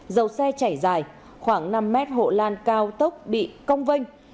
dầu xe chảy dài khoảng năm m hộ lan cao tốc bị công vinh